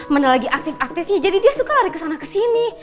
menelagi aktif aktifnya jadi dia suka lari kesana kesini